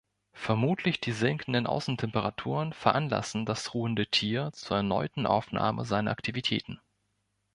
Vermutlich die sinkenden Außentemperaturen veranlassen das ruhende Tier zur erneuten Aufnahme seiner Aktivitäten.